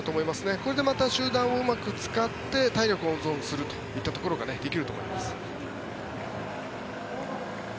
これでまた集団をうまく使って体力を温存するというところができると思います。